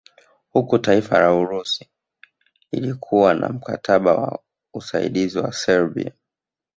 Huku taifa la Urusi lilikuwa na mkataba wa usaidizi na Serbia